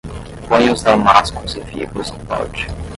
Ponha os damascos e figos no pote